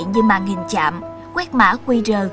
như màn hình chạm quét mã qr